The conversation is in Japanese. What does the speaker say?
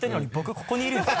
ここにいるんですよ？